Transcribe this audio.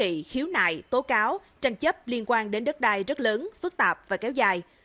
đơn thư ký nghị khiếu nại tố cáo tranh chấp liên quan đến đất đai rất lớn phức tạp và kéo dài